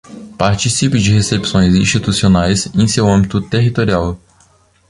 Participe de recepções institucionais em seu âmbito territorial.